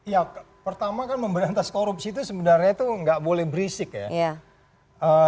ya pertama kan memberantas korupsi itu sebenarnya itu nggak boleh berisik ya